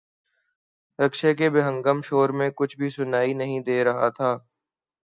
رکشے کے بے ہنگم شور میں کچھ بھی سنائی نہیں دے رہا تھا۔